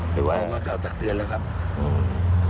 หรือว่ากล่าวตักเตือนแล้วครับอืม